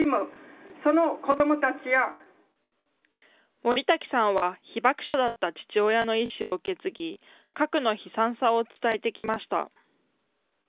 森瀧さんは被爆者だった父親の意思を受け継ぎ、核の悲惨さを伝えてきました。